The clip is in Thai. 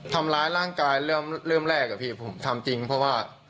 ทำร้ายร่างกายเริ่มแรกอะพี่ผมทำจริงเพราะว่า